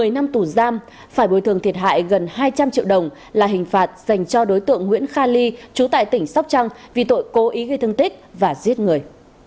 một mươi năm tù giam phải bồi thường thiệt hại gần hai trăm linh triệu đồng là hình phạt dành cho đối tượng nguyễn kha ly trú tại tỉnh sóc trăng vì tội cố ý gây thương tích và giết người